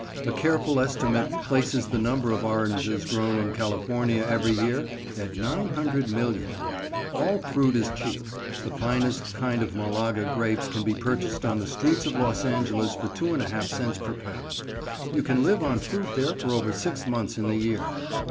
A careful estimate places the number of oranges grown in California every year at 900,000,000. All fruit is cheap. The finest kind of malaga grapes can be purchased on the streets of Los Angeles for 2½ cents per pound. You can live on fruit there over six months in the year.